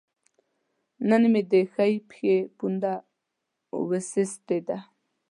نن مې د ښۍ پښې پونده وسستې ده